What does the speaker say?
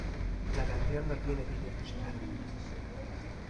La canción no tiene vídeo musical.